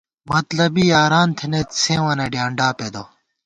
مطلبی یاران تھنَئیت ، سیوں وَنہ ڈیانڈا پېدہ